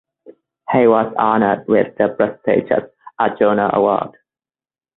He was honoured with the prestigious Arjuna award.